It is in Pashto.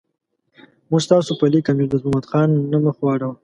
موږ ستاسو په لیک امیر دوست محمد خان نه مخ واړاو.